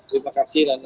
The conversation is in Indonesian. terima kasih nana